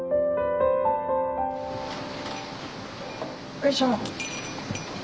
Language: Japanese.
よいしょ。